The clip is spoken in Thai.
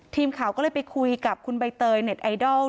ทีมข่าวก็เลยไปคุยกับคุณใบเตยเน็ตไอดอล